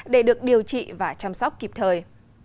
để được điều trị và chăm sóc kịp thời